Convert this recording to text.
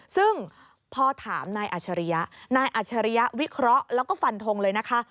ซึ่งพอถามนายอัชริยะนายอัจฉริยะวิเคราะห์แล้วก็ฟันทงเลยนะคะ